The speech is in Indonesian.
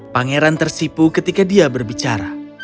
pangeran tersipu ketika dia berbicara